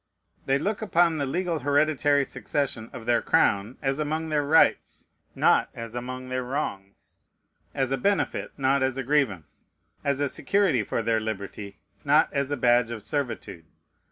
They look upon the legal hereditary succession of their crown as among their rights, not as among their wrongs, as a benefit, not as a grievance, as a security for their liberty, not as a badge of servitude.